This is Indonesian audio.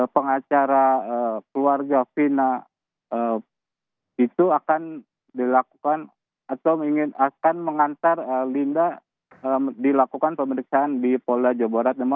pengacara keluarga fina itu akan dilakukan atau ingin akan mengantar linda dilakukan pemeriksaan di polda jawa barat